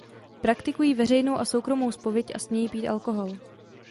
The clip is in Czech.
Praktikují veřejnou a soukromou zpověď a smějí pít alkohol.